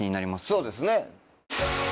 そうですね。